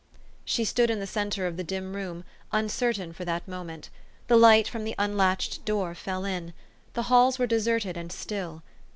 She stood in the centre of the dim room, uncer tain for that moment. The light from the unlatched door fell in. The halls were deserted and still.